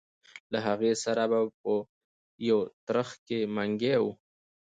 له هغې سره به په یو ترخ کې منګی و.